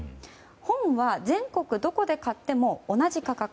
本は全国どこで買っても同じ価格。